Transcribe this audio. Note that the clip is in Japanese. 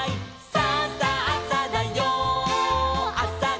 「さあさあさだよあさごはん」